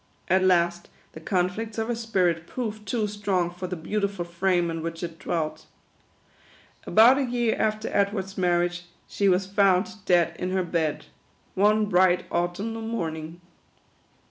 At last, the conflicts of her spirit proved too strong for the beautiful frame in which it dwelt. About a year after Edward's marriage, she was found dead in her bed, one bright autumnal morning.